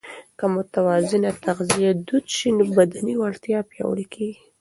که متوازنه تغذیه دود شي، بدني وړتیا پیاوړې کېږي.